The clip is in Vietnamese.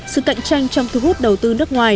sự cạnh tranh trong thu hút đầu tư nước ngoài